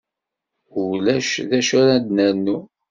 Ulac d acu ara d-nernu.